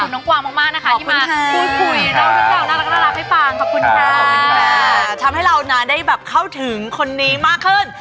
ทำให้เรานานได้แบบเข้าถึงคนนี้มากขึ้น